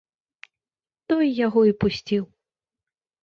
Той яго і пусціў.